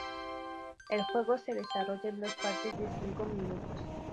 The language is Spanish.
El juego se desarrolla en dos partes de cinco minutos.